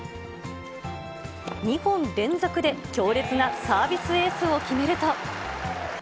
２本連続で強烈なサービスエースを決めると。